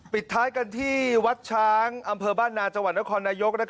ปิดท้ายกันที่วัดช้างอำเภอบ้านนาจังหวัดนครนายก